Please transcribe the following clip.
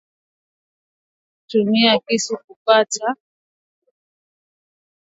Tumia kisu kukata viazi lishe katika vipande vipande